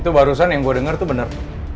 itu barusan yang gue denger tuh bener